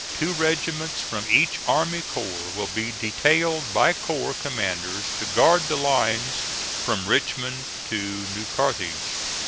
Two regiments from each army corps will be detailed by corps commanders, to guard the lines from Richmond to New Carthage.